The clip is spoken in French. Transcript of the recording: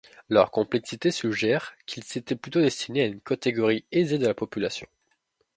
Leur complexité suggère qu’ils étaient plutôt destinés à une catégorie aisée de la population.